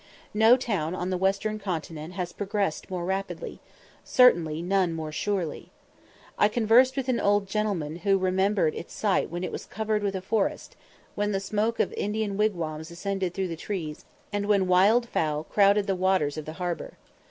No town on the Western Continent has progressed more rapidly; certainly none more surely. I conversed with an old gentleman who remembered its site when it was covered with a forest, when the smoke of Indian wigwams ascended through the trees, and when wild fowl crowded the waters of the harbour.